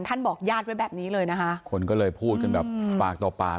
บอกญาติไว้แบบนี้เลยนะคะคนก็เลยพูดกันแบบปากต่อปาก